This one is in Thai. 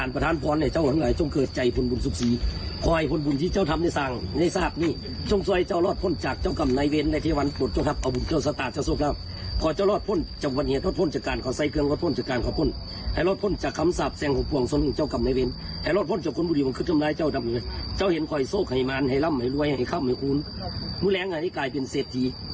แล้วให้พรดิ์ด้วยนะครับเอาไปดูนะครับ